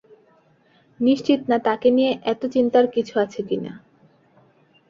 নিশ্চিত না তাকে নিয়ে এতো চিন্তার কিছু আছে কিনা।